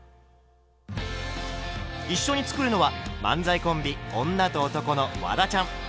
一緒に作るのは漫才コンビ「女と男」のワダちゃん。